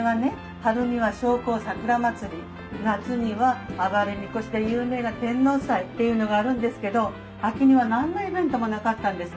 春には商工桜祭り夏には「あばれみこし」で有名な天王祭っていうのがあるんですけど秋には何のイベントもなかったんですね。